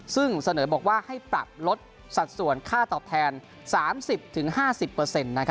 ซึ่งเสนอบอกว่าให้ปรับลดสัดส่วนค่าตอบแทน๓๐๕๐เปอร์เซ็นต์